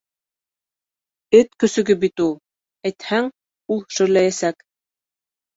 Эт көсөгө бит ул. Әйтһәң, ул шөрләйәсәк.